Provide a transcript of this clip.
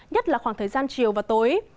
nhất là khoảng thời gian chiều và tối